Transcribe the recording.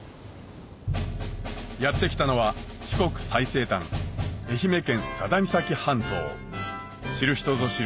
やって来たのは四国最西端愛媛県佐田岬半島知る人ぞ知る